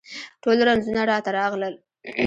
ټول رنځونه راته راغلل